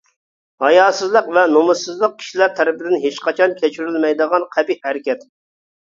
ھاياسىزلىق ۋە نومۇسسىزلىق كىشىلەر تەرىپىدىن ھېچقاچان كەچۈرۈلمەيدىغان قەبىھ ھەرىكەت.